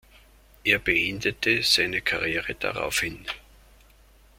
Er beendete seine Karriere daraufhin.